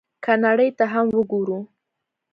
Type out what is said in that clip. که نړۍ ته هم وګورو،